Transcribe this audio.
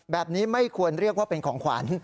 แบบนี้ไม่ควรเรียกว่าเป็นของขวาน